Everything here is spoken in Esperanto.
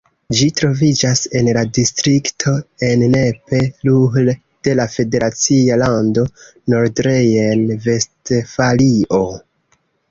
Ĝi troviĝas en la distrikto Ennepe-Ruhr de la federacia lando Nordrejn-Vestfalio.